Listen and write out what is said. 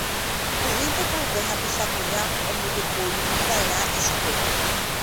Py'ỹinteko upe hapicha kuña ombojopóimiva'erã ichupe.